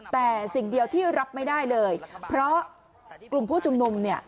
แต่สิ่งเดียวที่รับไม่ได้เลยเพราะกลุ่มผู้ชุมนุมเนี่ย